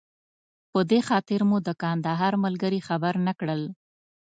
په دې خاطر مو د کندهار ملګري خبر نه کړل.